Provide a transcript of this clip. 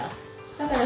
だから。